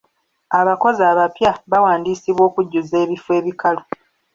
Abakozi abapya bawandiisibwa okujjuza ebifo ebikalu.